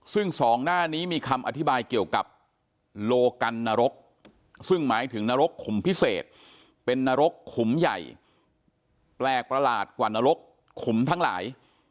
ซึ่งสองหน้านี้มีคำอธิบายเกี่ยวกับโลกันนรกซึ่งหมายถึงนรกขุมพิเศษเป็นนรกขุมใหญ่แปลกประหลาดกว่านรกขุมทั้งหลาย